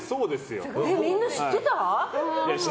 みんな知ってた？